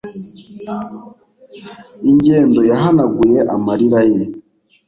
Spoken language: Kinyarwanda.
ingendo yahanaguye amarira ye